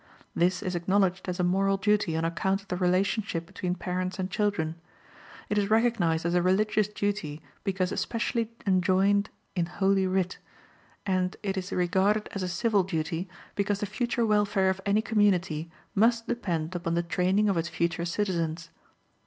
This is acknowledged as a moral duty on account of the relationship between parents and children; it is recognized as a religious duty because specially enjoined in Holy Writ, and it is regarded as a civil duty because the future welfare of any community must depend upon the training of its future citizens.